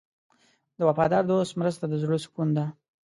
د وفادار دوست مرسته د زړه سکون ده.